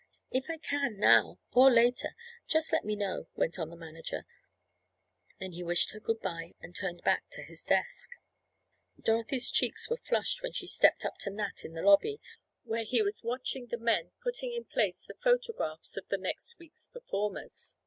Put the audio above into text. "If I can now, or later, just let me know," went on the manager. Then he wished her good bye and turned back to his desk. Dorothy's cheeks were flushed when she stepped up to Nat in the lobby where he was watching the men putting in place the photographs of the next week's performers.